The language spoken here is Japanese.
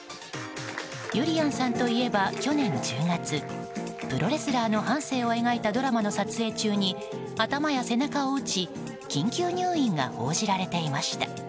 ゆりやんさんといえば去年１０月プロレスラーの半生を描いたドラマの撮影中に頭や背中を打ち緊急入院が報じられていました。